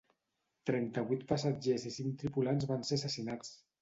Trenta-vuit passatgers i cinc tripulants van ser assassinats.